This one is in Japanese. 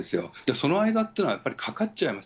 その間というのは、やっぱりかかっちゃいます。